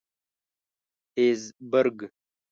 هېزبرګ.